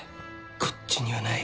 こっちにはない。